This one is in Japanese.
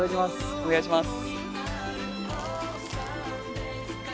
お願いします。